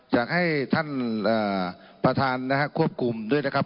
อยากให้ท่านประธานนะฮะควบคุมด้วยนะครับ